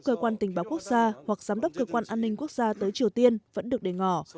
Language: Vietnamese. cơ quan tình báo quốc gia hoặc giám đốc cơ quan an ninh quốc gia tới triều tiên vẫn được đề ngỏ